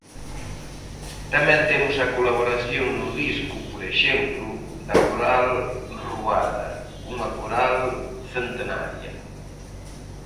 Tamén temos a colaboración no disco, por exemplo, da Coral Ruada, unha coral centenaria...